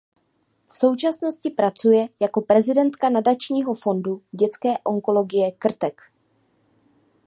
V současnosti pracuje jako prezidentka Nadačního fondu dětské onkologie Krtek.